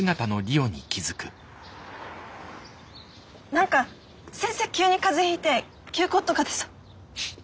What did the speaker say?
なんか先生急に風邪ひいて休校とかでさ。